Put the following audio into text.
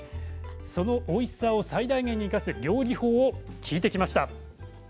そのおいしさを最大限に生かす料理法を聞いてきました。